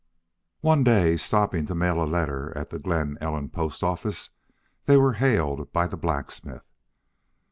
One day, stopping to mail a letter at the Glen Ellen post office, they were hailed by the blacksmith.